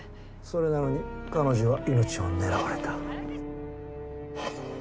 それなのに彼女は命を狙われた。